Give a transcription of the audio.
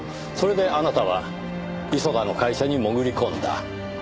それであなたは磯田の会社に潜り込んだ。